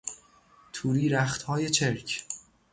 توری رختهای چرک